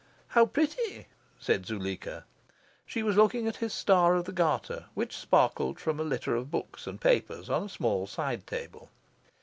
"How pretty!" said Zuleika. She was looking at his star of the Garter, which sparkled from a litter of books and papers on a small side table.